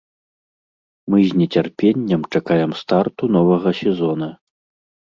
Мы з нецярпеннем чакаем старту новага сезона.